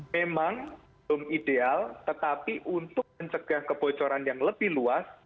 memang belum ideal tetapi untuk mencegah kebocoran yang lebih luas